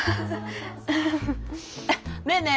ねえねえ